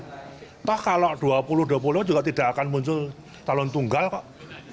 entah kalau dua puluh dua puluh lima juga tidak akan muncul talon tunggal kok